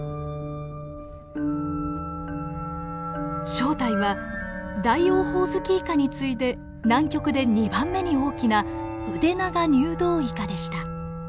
正体はダイオウホウズキイカに次いで南極で２番目に大きなウデナガニュウドウイカでした。